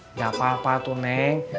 gak apa apa tuh neng